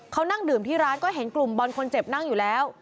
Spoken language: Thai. เขานั่งดื่มที่ร้านก็เห็นกลุ่มบอลคนเจ็บนั่งอยู่แล้ว